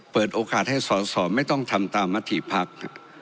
เปิดโอกาสให้สอสอไม่ต้องทำตามมติภักดิ์